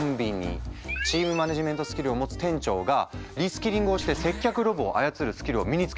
チームマネジメントスキルを持つ店長がリスキリングをして接客ロボを操るスキルを身につける。